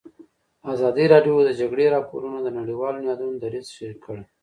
ازادي راډیو د د جګړې راپورونه د نړیوالو نهادونو دریځ شریک کړی.